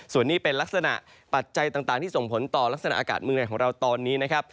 ส่วนนี้เป็นลักษณะปัจจัยต่างที่ส่งผลต่อลักษณะอากาศเมืองไหนของเราตอนนี้นะครับ